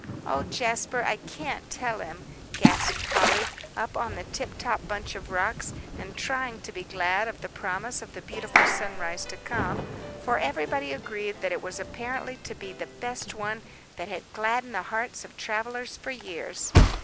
"Oh, Jasper, I can't tell him," gasped Polly, up on the tiptop bunch of rocks, and trying to be glad of the promise of the beautiful sunrise to come, for everybody agreed that it was apparently to be the best one that had gladdened the hearts of travellers for years.